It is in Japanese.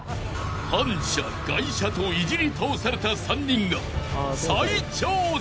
［反社外車といじり倒された３人が］